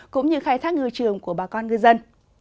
cũng như khai thác ngư trường của bà con ngư dân